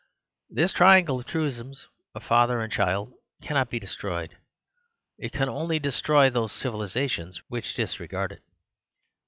This triangle of truisms, of father, mother and child, cannot be destroyed; it can only destroy those civilisations which disregard it.